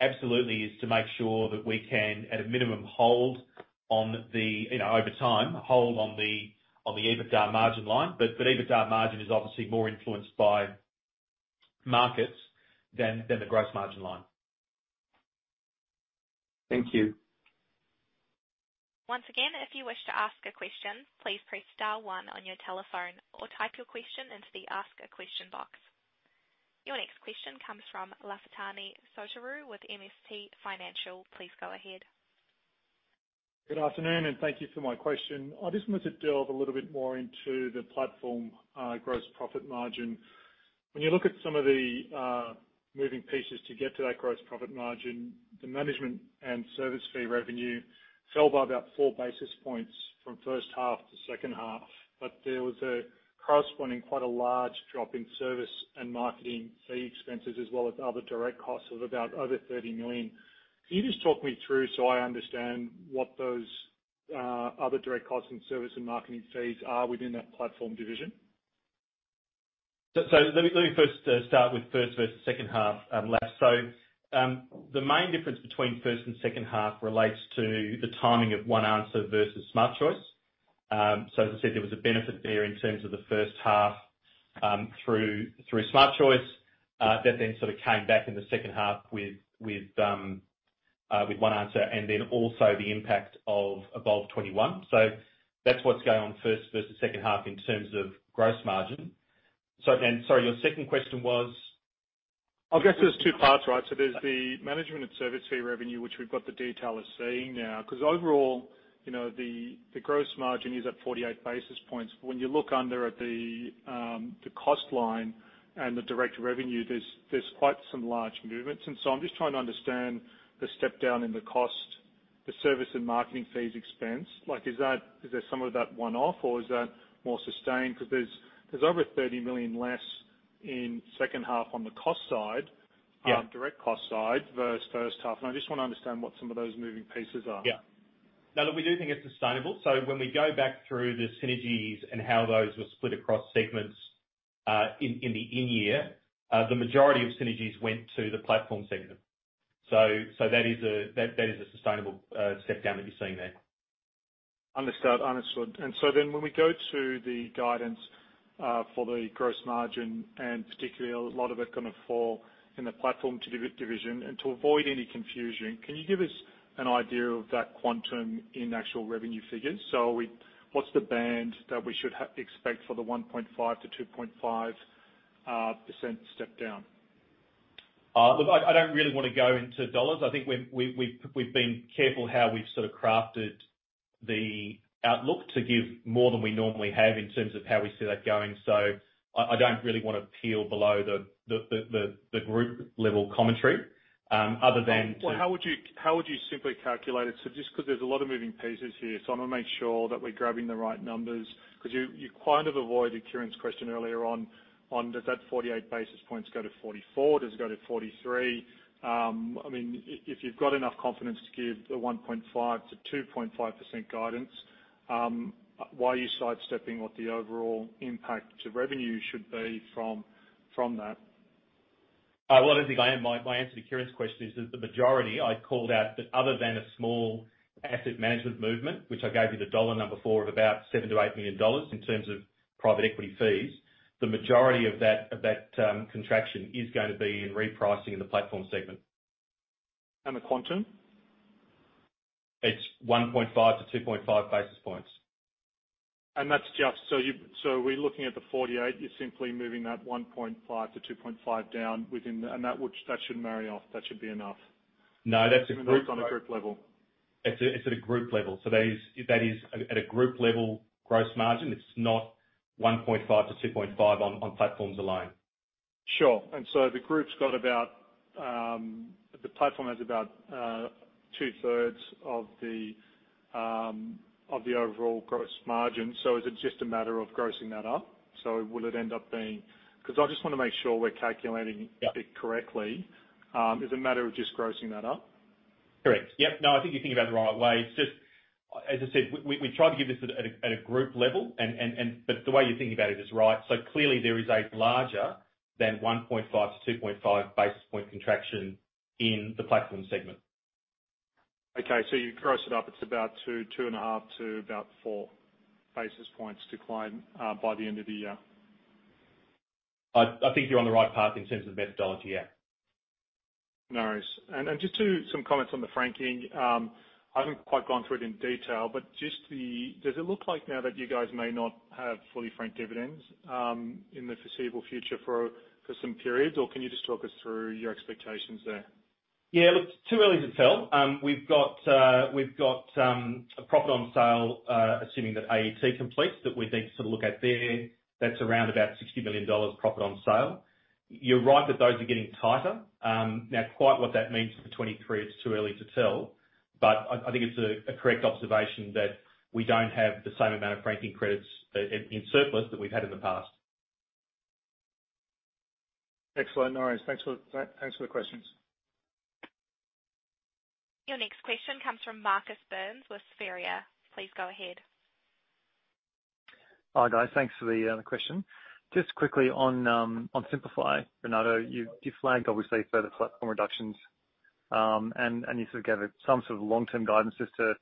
[SPEAKER 3] absolutely is to make sure that we can, at a minimum, hold on the, you know, over time, hold on the EBITDA margin line. EBITDA margin is obviously more influenced by markets than the gross margin line.
[SPEAKER 8] Thank you.
[SPEAKER 1] Once again, if you wish to ask a question, please press star one on your telephone or type your question into the ask a question box. Your next question comes from Lafitani Sotiriou with MST Financial. Please go ahead.
[SPEAKER 9] Good afternoon, thank you for my question. I just wanted to delve a little bit more into the platform gross profit margin. When you look at some of the moving pieces to get to that gross profit margin, the management and service fee revenue fell by about four basis points from first half to second half. There was a corresponding quite a large drop in service and marketing fee expenses, as well as other direct costs of about over 30 million. Can you just talk me through so I understand what those other direct costs and service and marketing fees are within that platform division?
[SPEAKER 2] Let me first start with first versus second half, Laf. The main difference between first and second half relates to the timing of OneAnswer versus Smart Choice. As I said, there was a benefit there in terms of the first half through Smart Choice that then sort of came back in the second half with OneAnswer and then also the impact of Evolve 21. That's what's going on first versus second half in terms of gross margin. Sorry, your second question was?
[SPEAKER 9] I guess there's two parts, right? There's the management and service fee revenue, which we've got the detail we're seeing now. 'Cause overall, you know, the gross margin is at 48 basis points. When you look under at the cost line and the direct revenue, there's quite some large movements. I'm just trying to understand the step down in the cost, the service and marketing fees expense. Like, is that, is there some of that one-off or is that more sustained? 'Cause there's over 30 million less in second half on the cost side.
[SPEAKER 2] Yeah.
[SPEAKER 9] Direct cost side versus first half, and I just wanna understand what some of those moving pieces are.
[SPEAKER 2] Yeah. No, look, we do think it's sustainable. When we go back through the synergies and how those were split across segments, in the in-year, the majority of synergies went to the platform segment. That is a sustainable step down that you're seeing there.
[SPEAKER 9] Understood. When we go to the guidance for the gross margin, and particularly a lot of it gonna fall in the platform division. To avoid any confusion, can you give us an idea of that quantum in actual revenue figures? What's the band that we should expect for the 1.5%-2.5% step down?
[SPEAKER 2] Look, I don't really wanna go into dollars. I think we've been careful how we've sort of crafted the outlook to give more than we normally have in terms of how we see that going. I don't really wanna peel below the group level commentary, other than to.
[SPEAKER 9] Well, how would you simply calculate it? Just 'cause there's a lot of moving pieces here, I wanna make sure that we're grabbing the right numbers. 'Cause you kind of avoided Kieren's question earlier on, does that 48 basis points go to 44? Does it go to 43? I mean, if you've got enough confidence to give the 1.5%-2.5% guidance, why are you sidestepping what the overall impact to revenue should be from that?
[SPEAKER 2] Well, I don't think I am. My answer to Kieren's question is that the majority I called out, that other than a small asset management movement, which I gave you the dollar number for of about 7 million-8 million dollars in terms of private equity fees. The majority of that contraction is going to be in repricing in the platform segment.
[SPEAKER 9] The quantum?
[SPEAKER 3] It's 1.5-2.5 basis points.
[SPEAKER 9] Are we looking at the 48? You're simply moving that 1.5 to 2.5 down within, and that should marry off. That should be enough.
[SPEAKER 2] No, that's a group.
[SPEAKER 9] Even on a group level.
[SPEAKER 2] It's at a group level. That is at a group level gross margin. It's not 1.5%-2.5% on platforms alone.
[SPEAKER 9] Sure. The platform has about 2/3 of the overall gross margin. Is it just a matter of grossing that up? Will it end up being? 'Cause I just wanna make sure we're calculating it correctly. Is it a matter of just grossing that up?
[SPEAKER 2] Correct. Yep. No, I think you're thinking about it the right way. It's just, as I said, we try to give this at a group level and, but the way you're thinking about it is right. Clearly there is a larger than 1.5-2.5 basis point contraction in the platform segment.
[SPEAKER 9] Okay. You gross it up, it's about 2.5 to about 4 basis points decline by the end of the year.
[SPEAKER 2] I think you're on the right path in terms of the methodology, yeah.
[SPEAKER 9] No worries. Just some comments on the franking. I haven't quite gone through it in detail, but does it look like now that you guys may not have fully franked dividends in the foreseeable future for some periods? Or can you just talk us through your expectations there?
[SPEAKER 2] Yeah, look, it's too early to tell. We've got a profit on sale, assuming that AET completes, that we need to sort of look at there. That's around about 60 million dollars profit on sale. You're right that those are getting tighter. Now quite what that means for 2023, it's too early to tell, but I think it's a correct observation that we don't have the same amount of franking credits in surplus that we've had in the past.
[SPEAKER 9] Excellent. No worries. Thanks for the questions.
[SPEAKER 1] Your next question comes from Marcus Burns with Spheria. Please go ahead.
[SPEAKER 10] Hi, guys. Thanks for the question. Just quickly on Simplify, Renato, you flagged obviously further platform reductions, and you sort of gave it some sort of long-term guidance as to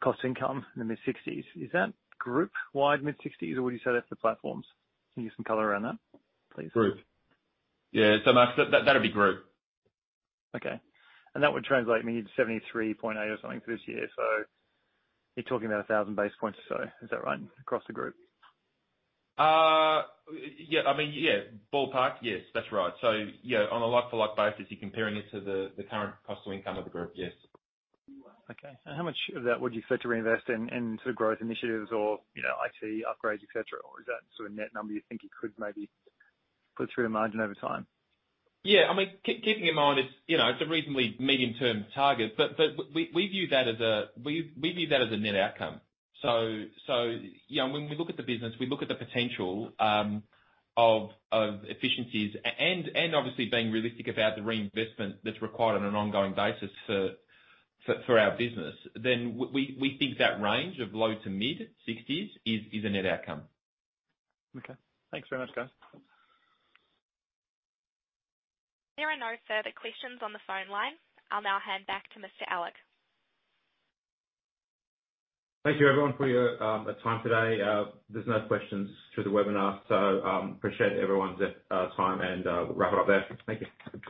[SPEAKER 10] cost-to-income in the mid-60s%. Is that group-wide mid-60s%, or would you say that's the platforms? Can you give some color around that, please?
[SPEAKER 2] Group. Yeah. Marcus, that'd be group.
[SPEAKER 10] Okay. That would translate maybe to 73.8 or something for this year. You're talking about 1,000 basis points or so, is that right? Across the group.
[SPEAKER 2] Yeah. I mean, yeah, ballpark, yes, that's right. Yeah, on a like-for-like basis, you're comparing it to the current cost to income of the group, yes.
[SPEAKER 10] Okay. How much of that would you expect to reinvest in sort of growth initiatives or, you know, IT upgrades, et cetera? Or is that sort of net number you think you could maybe put through to margin over time?
[SPEAKER 2] Yeah, I mean, keeping in mind it's, you know, it's a reasonably medium term target, but we view that as a net outcome. Yeah, when we look at the business, we look at the potential of efficiencies and obviously being realistic about the reinvestment that's required on an ongoing basis for our business. We think that range of low- to mid-60s% is a net outcome.
[SPEAKER 10] Okay. Thanks very much, guys.
[SPEAKER 1] There are no further questions on the phone line. I'll now hand back to Mr. Mota.
[SPEAKER 2] Thank you everyone for your time today. There's no questions through the webinar, so appreciate everyone's time and wrap it up there. Thank you.